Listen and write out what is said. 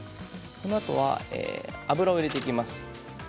このあとは油を入れていきます。